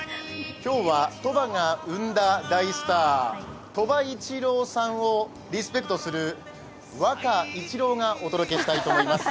今日は鳥羽が生んだ大スター鳥羽一郎さんをリスペクトするワカ一郎がお届けしたいと思います。